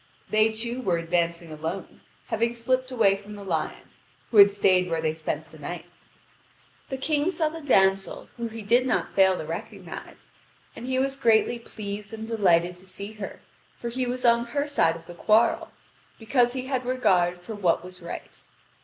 They two were advancing alone, having slipped away from the lion, who had stayed where they spent the night. (Vv. 5925 5990.) The King saw the damsel whom he did not fail to recognise, and he was greatly pleased and delighted to see her, for he was on her side of the quarrel, because he had regard for what was right.